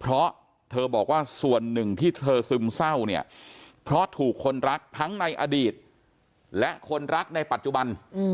เพราะเธอบอกว่าส่วนหนึ่งที่เธอซึมเศร้าเนี่ยเพราะถูกคนรักทั้งในอดีตและคนรักในปัจจุบัน